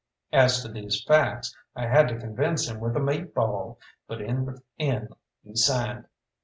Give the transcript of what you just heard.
As to these facts, I had to convince him with a meat ball, but in the end he signed.